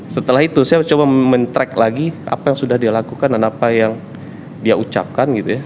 setelah itu saya coba men track lagi apa yang sudah dia lakukan dan apa yang dia ucapkan gitu ya